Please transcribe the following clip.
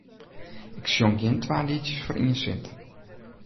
Ik sjong gjin twa lietsjes foar ien sint.